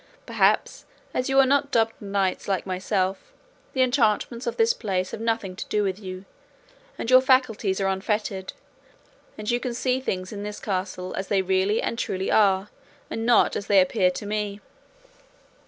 Perhaps as you are not dubbed knights like myself, the enchantments of this place have nothing to do with you, and your faculties are unfettered, and you can see things in this castle as they really and truly are, and not as they appear to me."